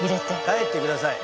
帰ってください！